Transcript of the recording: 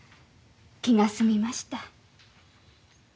気が済みました。